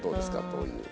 どういう。